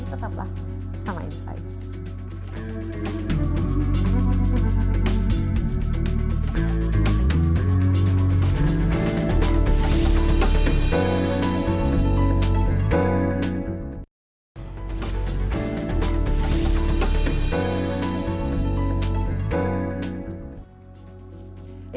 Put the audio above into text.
tetaplah bersama insight